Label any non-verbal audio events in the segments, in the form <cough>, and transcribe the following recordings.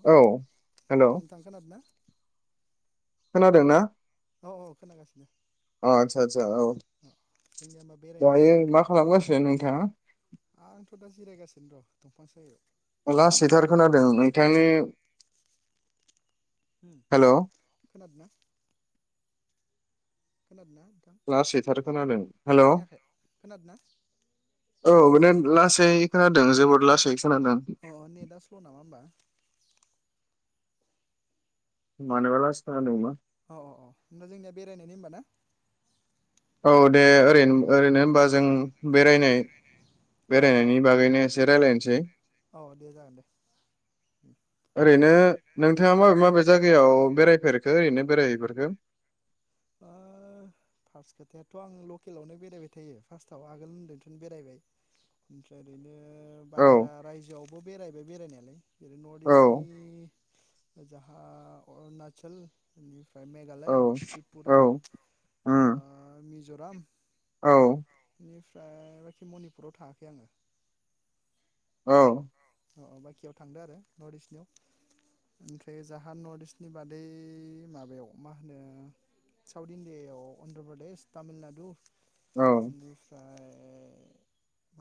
अ औ हेलौ नोंथां खोनादोना? खोनादों ना? ओ ओ खोनागासिनो आदसा आदसा औ नोनिया मा बेरायनायनि दायो ना मा खालामगासिनो नोंथाङा आंथ' दा जिरायगासि <unintelligible> लासैथार खोनादों। बिथांनि। उम खोनादोंना। खोनादों ना। लासैथार खोनादों हेलौ खोनायाखै खोनादों ना औ माने लासै खोनादों जोबोद लासै खोनादों। अ अ नेटआ स्ल' नामा होमबा मानोबालासै खोनादों बा। अ-अ-अ होनबा जोंनिया बेरायनायनि होमबा ना। औ दे ओरैनो ओरैनो होनबा जों बेरायनाय। औ औ बेरायनायनि बागैनो एसे रायज्लायनो। जे। औ दे जागोन दे। ओरैनो नोंथाङा माबे माबे जायगायाव बेरायफेरखो ओरैनो बेरायहैेफेरखो। ओ फार्स्ट खोथायाथ' आं लकेलावनो बेरायबाय थायो फार्स्टआव आगोल होनदोंथ'नो बेरायबाय ओमफ्राय ओरैनो। ओ औ बाहेरा रायजोआव। अ बेरायबाय बेरायनायालाय। जरै नर्थ औ इस्टनि। जाहा अरुणाचलनिफ्राय। ओ औ मेघालय ट्रिप। दा औ उम ओ। मिज'राम। औ। बेनिफ्राय बाखि मनिपुराव थाङाखै आङो। औ। अ-अ बायाखियाव थांदों आरो नर्थ इस्टनियाव ओमफ्राय जाहा नर्थ इस्टनि बादै माबायाव मा होनो साउथ इण्डियाायाव अन्ध्र प्रदेश तामिलनाडु। औ बिनिफ्राय।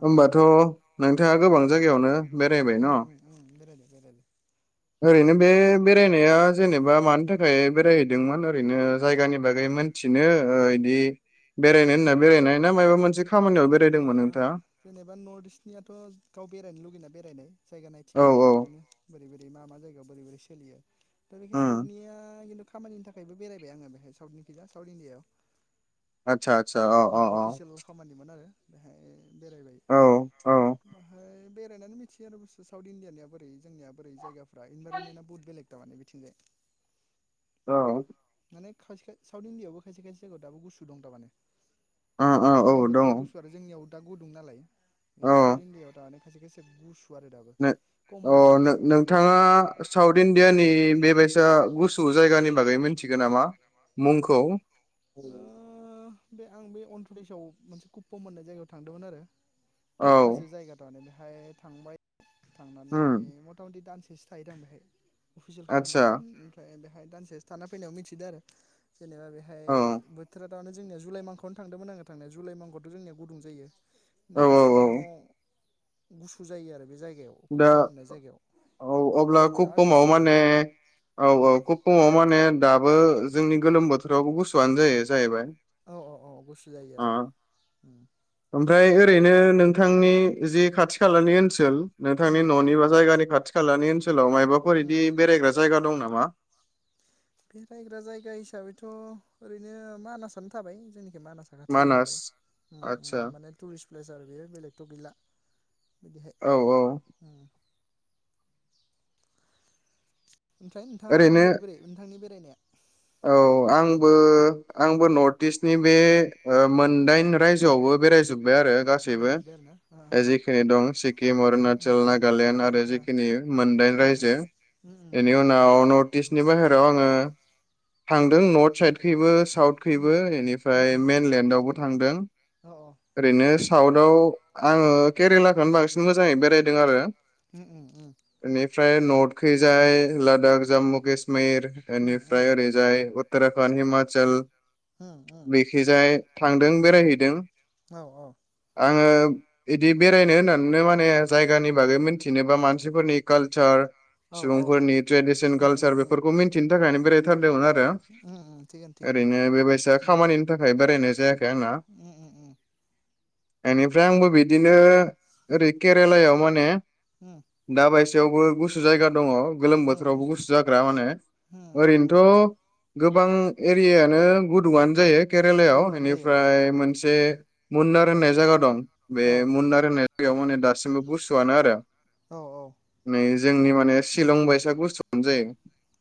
होमबाथ' नोंथाङा गोबां उम जायगायावनो बेराय। <inaudible> <inaudible> ओरैनो बे बेरायनाया जेनेबा मानि थाखाय बेरायहैदोंमोन ओरैनो जायगानि बागै मोनथिनो बिदि बेरायनो होनना बेरायनाय ना मायबा मोनसे खामानियाव बेरायदोंमोन नोंथाङा जेनेबा नर्थ इस्टनियाथ' गाव बेरायनो लुगैनाय बेरायनाय जायगा औ नायथिंनाय औ बिदिनो <unintelligible> बे मा मा जायगायाव बोरै बोरै सोलियो। दा बेखो उम साउथनिया खामानिनि थाखायबो बेरायबाय आङो बेहाय साउथनिखौबा साउथ इण्डियाआव <unintelligible> आसा आतसा अ अ अ। खामानिमोन आरो बेहाय बेरायबाय औ औ ओमफ्राय बेरायनानै मिथियो आरो साउथ इण्डियानिआ बोरै जोंनिया बोरै जायगफोरा इनभारमेन्टआ बहुत बेलेग बिथिंजाय औ माने खायसे साउथ इण्डियावबो खायसे खायसे जायगायाव दाबो गुसु दं थारमाने। ओ दा गरम औ दङ बोथोराव गुसु आरो जोंनियाव दा गुदुं नालाय बे साउथ इणडियायाव दानो खायसे खायसे गुसु आरो दाबो नो‌ कम्बल अ जोमनासो उन्दुनांगौ जायो। नो-नोंथाङा साउथ इण्डियानि बेबायसा गुसु जायगानि बागै मिनथि गौ नामा मुंखौ? <inaudible> ओ बे आं बे अन्ध्र देशआव मोनसे कप्प' होननाय जायगायाव थांदोंमोन आरो। बे औ हाजो जायगा थारमाने ओमफाय थांबाय थांनानै उम मथा मथि दानसे सो थाहैदों आं बेहाय। अफिसियेल खामानि आदसा दंमोन ओमफ्राय बे दानसेसो थाना फैनायाव मिथिदो आरो। जेनेबा बेहाय औ बोथोरा जोंनिया जुलाइ मांखोआवनो थांदोंमोन आङो थांनाया जुलाइ मांखोआवथ' जोंनिया गुदुं जायो। औ नै औ बिसिनियाव गुसु जायो आरो बे जाय दा औ अब्ला हराव बिराद खुफुमाव गुसु जायो माने औ औ उम खुफुमाव माने दा बो जोंनि गोलोम बोथोरावबो गुसुआनो जायो जाहैबाय। औ औ औ गुसु जायो अ आरो। ओमफ्राय ओरैनो नोंथांनि जे खाथि खालानि ओनसोल नोंथांनि उम न'नि बा जायगानि खाथि खालानि ओनसोलाव‌ मा बाफोर उम इदि बेरायग्रा जायगा दं नामा? बे रायग्रा जायगा हिसाबैथ' ओरैनो मानासनो थाबाय जोंनि एखे मानास खाथि जायो मानास नालाय आदसा माने टुरिस्ट प्लेस आरो बेयो बेलेगथ' गैला बिदिहाय औ औ ओमफ्राय नोंथाङा ओरैनो बोरै बोरै नोंथांनि बे रायनाया औ आंबो आंबो नर्थ इस्टनि बे मोनदाइन रायजोआवबो बेरायजोब जबाय आरो गासैबो आरो बेरायजोब्बाय आरोना ओ ओ जिखिनि दं सिक्किम अरुणाचल नागालेण्ड आरो जिखिनि मोनदाइन रायजो बेनि उनाव नर्थ इस्टनि बाहेरायाव आङो रायजो थांदों नर्थ साइडखैबो साउथखैबो बेनिफ्राय मेनलेण्डावबो थांदों मेनलेण्डआवबो थांदों अ ओरैनो साउथाव आङो केरेलाखौनो बांसिन मोजाङै बेरायदों आरो उ ओ उ ओमफ्राय नर्थखैजाय लादाख जाम्मु कशमिर मिर उम इनि जाय उतरखणड हिमाचल उम उम उम बेखि जाय थांदों बेरायहैदों औ औ आङो बिदि बेरायनो होननानैनो माने जायगानि बागै मोनथिनोबा मानसिफोरनि कालचार औ औ सुबुंफोरनि ट्रेडिसन उम उम कालसार उम बेफोरखौ मिन्थि थाखायनो बेराय उम उम थिगानो <unintelligible> थिगानो ओरैनो बेबायसा उम खामानिनि थाखाय बेरायनाय जना उम उम बेनिफ्राय आंबो बिदिनो ओरै केरेलायाव माने उम दा बायस थेवबो गुसु जायगा दङ गोलोम उम बोथोरावबो उम गुसु जाग्रा माने उम ओरैनो उम द' गोबां एरियानो गुदुंआनो जायो केरेलायाव गुदुङानो जायो औ बेनिफ्राय औ मोनसे मनार होननाय जायगा दं बे औ मानार होनाय जायगायाव दासिमबो गुसुआनो आरो औ औ नै जोंनि माने शिलं बाइसा गुसुआवनो जायो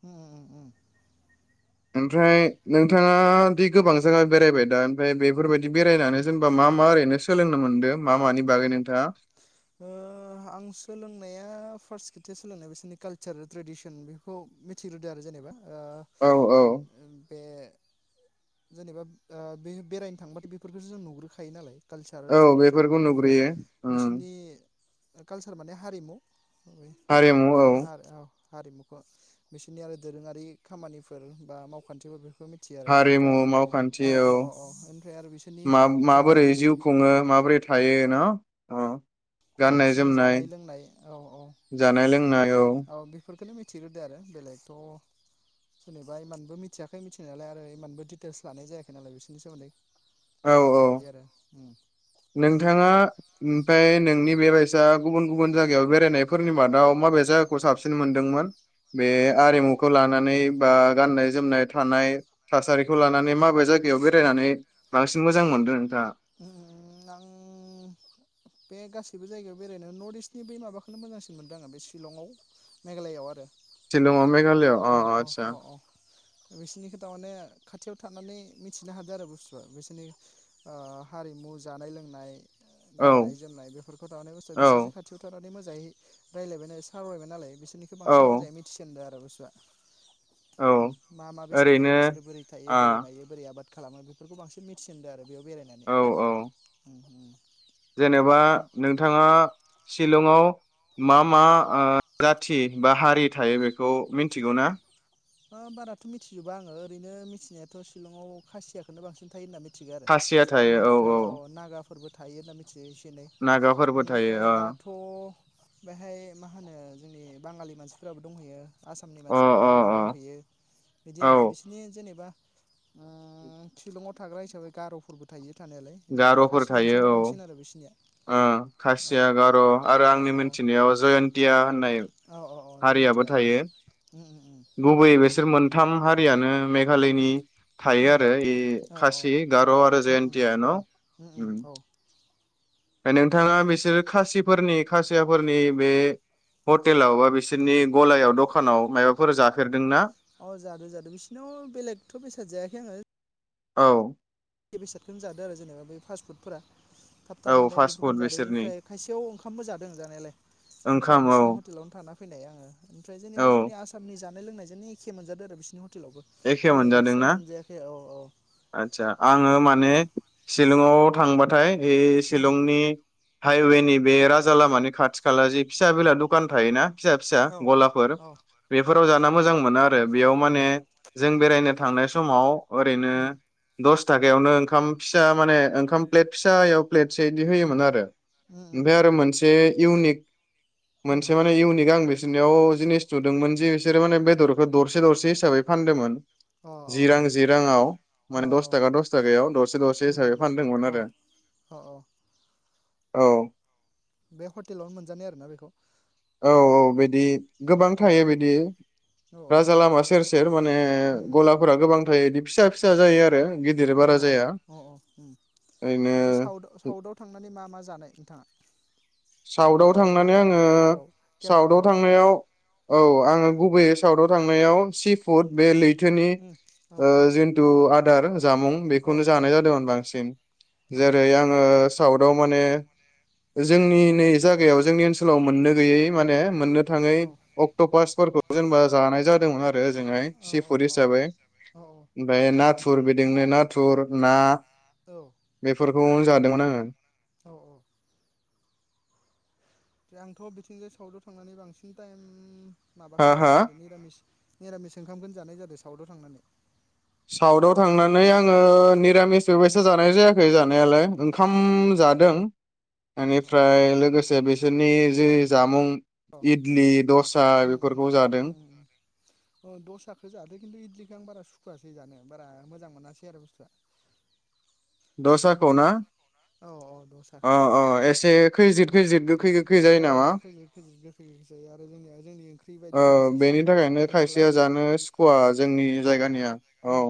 उ उम ओमफ्राय नोंथाङा दि गोबां जायगा बेरायबाय दा ओमफ्राय बेफोरबायदि बेरायनानै जेनेबा मा मा ओरैनो सोलोंनो मोनदों मा मानि बागै नोंथाङा ओ सोलोंनाया फार्स्ट खोथि सोलोंनाय बिसोरनि कालसार ट्रेडिसन बेखौ मिथिग्रोदो आरो जेनेबा औ औ ओ बे जेनेबा बे बेरायनो थांबाथाय बेफोरखौसो जों नुग्रोखायो नालाय कालसार औ ट्रेडिसन बेफोरखौ बेनिफ्राय नुग्रोयो उम बिस बिनि कालसार माने हारिमु हारिमु अम औ औ हारिमुखौ बिसोरनि आरो दोरोङारि खामानिफोर बा मावखान्थिफोर बे बेखौ मिथियो आरो हारिमु बेनिफ्राय मावखान्थि औ औ औ औ निफ्राय आरो बिसोरनि मा जानाय माबोरै जिउ खुङो औ माबोरै थायो नाअ आरो बिसोरनि जानाय लोंनाय औ औ जानाय लोंनाय औ बेफोरखौनो मिथि मिथिग्रोदो आरो बेलेगथ' जेनेबा इमबो मिथियाखै मिथिनायालाय आरो इमानबो दिडिटेल्स लानाय जायाखै नालाय बिसोरनि सोमोन्दै औ औ बिदि आरो उम नोंथाङा ओमफ्राय नोंनि बेबायसा गुबुन गुबुन जायगायाव बेरायनायफोरनि मादाव माबे जायगाखौ साबसिन मोनदोंमोन बे आरिमुखौ लानानै बा गाननाय जोमनाय थानाय थासारिखौ लानानै माबे जायगायाव बेरायनानै बांसिन मोजां मोनदों नोंथाङा उम आं बे गासैबो जायगायाव बेरायनो नर्थ इस्टनि बै माबाखौनो मोजांसिन मोनदों आङो बे शिलंआव मेघालयआव आरो शिलंआव मेघालयआव अ औ औ आदसा औ औ बिसोरनि खोथा माने खाथियाव थानानै मिथिनो हादों आरो बुस्थुआ बिसोरनि हारिमु जानाय लोंनाय औ गाननाय जोमनाय बेफोरखौ थानायानाय बोसोर बिसोरजों औ खाथियाव थानायानानै मोजाङै रायलायबाय सावरायबायनालाय नालाय बिसोर बेनिखौ बांसिन औ मोजाङै मिथिसिनदो आरो आउस औ मा मा बेसाद जायो ओरैनो बिसोरो बोरै थायो आ बोरै मायो बोरै आबाद खालामो बेफोरखौ बांसिन मिथिनदों आरो बबेयाव बेरायनानै औ औ ओम जेनेबा नोंथाङा शिलंआव मा मा ओ जाथि बा हारि थायो बेखौ मिथिगौ ना ओ बाराथ' मिथिजोबा आङो ओरैनो मिथिनायाथ' शिलंआव खासियाखौनो बांसिन थायो होनना थिग आरो बेनिफ्राय औ नागा फोरबो थायो होन्ना मिथियो एनै नागाफोरबो बेनिफ्राय थायो अ दाथ' बेहाय मा होनो जोंनि बाङालि मानसिफोराबो दंहैयो आसामनि अ मानसिफोराबो गोबां दंहैयो बिदि अ आरो औ बिसिनि जेनेबा ओह शिलंआव थाग्रा हिसाबै गार'फोरबो थायो थानायालाय बेनिफ्राय गार'फोर खासि थायो मानसियानो औ बांसिन आरो बिसोरनिया ओह औ खासिया गार' आरो औ आंनि औ मिथिनायाव जयन्तिया होननाय औ औ औ हारियाबो जयन्तिया औ थायो उम उम गुबैयै बेसे बिसोर मोनथाम हारियानो मेघालयनि थायो उम उम आरो ऐ औ खासि गार' आरो जयन्तिया न' ओम ओ ओमफ्राय औ नोंथाङा बिसोर खासिफोरनि खासियाफोरनि बे हटेलाव बा बिसोरनि गलायाव दखानाव माबाफोर जाफेरदोंना अ'जादों जादों बिसोरनाव बेलेगथ' बेसाद जायाखै आङो औ बे बेसादखोनो जादो आरोे जेनेबा बे फास्ट फुडफोरा थाब थाब औ मोननाया फास्ट फुड बेफोरखौनो जादों बिसोरनि बेनिफ्राय खायसेयाव ओंखामबो जादों जानायालाय ओमफ्राय ओंखाम औ बिसोरनि हटेलावनो थाना फैनाय औ आंङो लोंनायजों एखे मोनजादों आरो बिसनि ह हटेलावबो एखे बेलेग मोनजादोंना एक्सट्राय मोनजायाखै औ औ आदसा आङो उम माने सिलंआव थांबा <unintelligible> बे उम सिलंनि हाइवेनि बे राजा लामानि खाथि खाला जिे फिसा बेला दखान फिसा फिसा औ गलाफोर औ उम बेफोराव जाना मोजां मोनो आरो बेयाव माने जों बेरायनो थांनाय समाव ओरैनो दस थाखायावनो ओंखाम फिसा माने ओंखाम प्लेट फिसायाव प्लेटसेयै बिदि होयोमोन आरो उम उम ओमफ्राय आरो उम मोनसे इउनिक उम मोनसे माने इउनिक आं बे याव जिनिस नुदोंमोन जि बिसोरो माने बेदरखौ दरसे दरसे हिसाबै फान दोमोन अ जि रां जि अ राङआव अ माने दस तका दस ताखायाव दरसे दरसे उम हिसाबै उम फानदोंमोन औ आरो अ अ औ बे हटेलावनो मोनजानाय आरोना बेखौ औ औ बिदि गोबां अ थायो बिदि औ औ औ राजा लामा सेर सेर माने उम उम औ गलाफोरा गोबां थायो बिदि फिसा फिसा जायो आरो गिदिर अ अ बारा जाया अ उ ओरैनो ओमफ्राय साउथ साउथाव थांनानै मा मा जानाय नोंथाङा? साउथाव जेनेबा जाहा थांनानै आङो तामिलनाडुफोराव साउथाव केरेलाफोराव थांनायाव औ आङो गुबैयै साउथाव थांनायाव सि फुड बे लै थोनि उम औ ओ औ जिन्थु आदार जामुं बेखौनो औ जानाय जादोंमोन बांसिन औ जेरै आङो साउथाव माने जोंनि जोंनि जागायाव जोंनि ओनसोलाव मोननो गोयै माने मोननो थाङै औ अक्ट'पासफोरखौ जेनेबा जानाय जादोंमोन आरो ओजोंहाय सिफुर औ हिसाबै ओमफ्राय नाथुर बिदिनो ना थुर ना औ बेखौनो जादोंमोन आङो औ औ आंथ' बिथिंजाय साउथाव थांनानै बांसिन टाइम हा माबाखो हा जानाय जादों मिरामिस मिरामिस ओंखामखौनो जानाय जादों साउथाव थांनानै साउथाव थांनानै आङो मिरामिस जानाय जायाखै जानायालाय ओंखाम खाम बे जादों औ अ बेनिफ्राय लोगोसे बिसोरनि जि जामुं अ इडलि दसा उ उ बेफोरखौ जादों उम उम दस्राखौ जादों खिन्थु इदिखौ आं बारा सुखुवासै जानो बारा मोजां मोनासै आरो बुस्थुआ दसाखौना औ औ अ दसाखौ अ एसे खैजिद <unintelligible> औ जायो नामा खोजिद खोजिद गोखै जायो आरो जोंनिया जोंनि ओंख्रि ओ बायदिखौ बिसोर बेनि साम्बार होनना थाखायनो बुंबाय खायसेया नालाय जानो सुखुवा जोंनि औ औ जायगानिया औ उम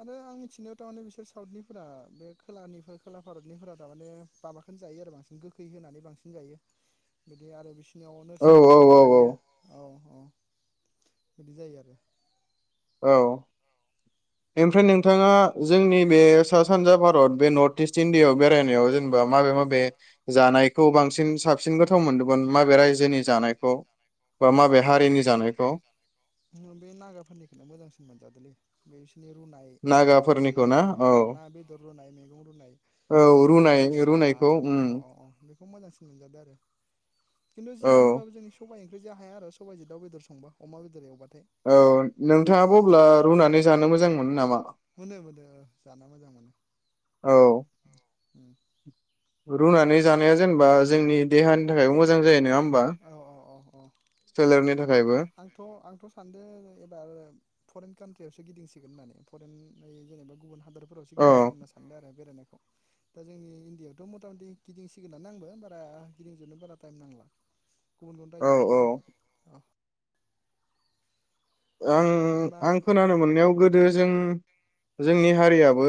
आरो आं मिथिनायाव थारमाने बिसोर साउथनि फोरा बे खोलानिफोर खोला भारतनिफोरा थारमाने माबाखोननो जायो आरो बांसिन गोखै होनानै बांसिन जायो। बिदि आरो बिस सिनाव औ नरसिं बिलाइया औ औ थाखायो औ। अ बिदि जायो आरो। औ ओमफ्राय नोंथाङा जोंनि बे सा सानजा भारत बे नर्थ इस्ट इण्डियायाव बेरायनायाव जेनेबा माबे माबे जानायखौ बांसिन साबसिन गोथाव मोनदोंमोन माबे रायजोनि जानायखौ? बा माबे हारिनि जानायखौ बे नागाफोरनिखौनो मोजांसिन मोनजादोलै। <unintelligible> बिनि रुनाय रुनानै नागाफोरनिखौ ना जानाय औ ना बेदर रुनाय मैगं रुनाय औ एसे आलु रुनाय गोसा रुनायखौ जानाय उम औ औ औ। खौ मोजांसिन मोनजादो आरो। खिन्थु औ जिमान होनबाबो जोंनि सबाइ जो हाया आरो। सबायजों दाव बेदर संबा अमा बेदर एवबा। औ नोंथाङाबो अब्ला रुनानै जानो मोजां मोन मोन नामा? मोनो मोनो जानो मोजां मोनो। औ। उम। रुनानै जानाया जेनेबा जोंनि देहानि थाखायबो मोजां जायो नङा होमबा औ औ औ औ सोलेरनि थाखायबो आ-आंथ' आंथ' सानदों एबार फरेन कान्ट्रि यावसो गिदिंसिगोन होननानै परेन ऐ जेनेबा गुबुन हा हादोरफोरावसो औ गिदिंसिगोन होनना सानदों आरो बेरायनाय दा जोंनि इण्डियायावथ' मथा मथि गिदिंसिगोनानो आंबो बारा गिदिंजोबनो बारा टाइम नांला। गुबुन गुबुन औ रायजोआव औ गिदिंगोन अ। आं होमबा आं खोनानो मोननायाव गोदो जों जोंनि हारियाबो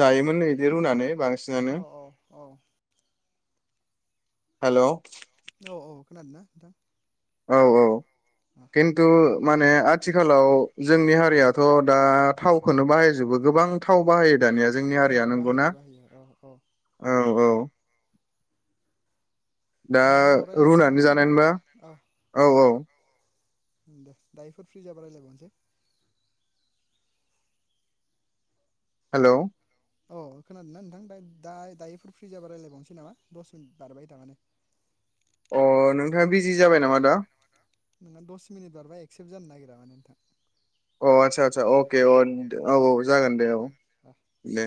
जायोमोन नो इदि रुनानै बांसि औ औ औ। हेलौ। औ औ खोनादों ना नोंथां? औ औ। अ खिन्थु माने आथ थिखालाव जोंनि औ हारियाथ' दा थाव ख बजोबो गोबां थाव बाहायो दानिया जोंनि हारिया औ बाहायो नंगौनाा बाहायो औ औ औ औ दा होमबा उनाव रायज्लायनोसै रुनानै नामा जानाय नोंथां नबा औ औ दे दायोफोर फ्रि जाबा रायलायबावनोसै हेल' अ खोनादों नना नोंथां द दा दायोफोर फ्रि जाबा रायजलायबावनोसै नामा दस मिनिट बारबाय थारमे अ नोंथाङा बिजि जाबाय नामा दा नोंना दस मिनिट बारा एक्सेप्ट जानो नागिरा माने नोंथां अ आतसा आदसा अके अ औ औ जागोन दे औ ओ दे